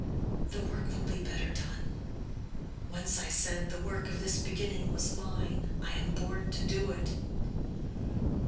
The work will be the better done. Once I said the work of this beginning was mine, I am born to do it.